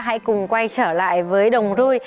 hãy cùng quay trở lại với đồng rui